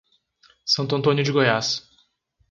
Santo Antônio de Goiás